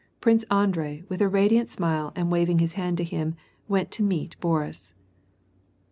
Prince Andrei with a radiant smile and waving his hand to him, went to meet Boris.